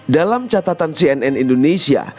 dalam catatan cnn indonesia